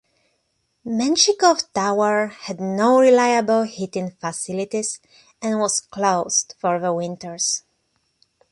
Menshikov tower had no reliable heating facilities and was closed for the winters.